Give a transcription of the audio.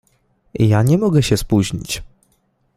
"Ja nie mogę się spóźnić."